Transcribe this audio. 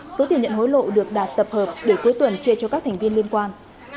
số tiền nhận hối lộ được đạt tập hợp để cuối tuần chia cho các thành viên liên quan